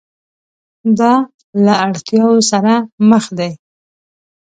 دا له اړتیاوو سره مخ دي.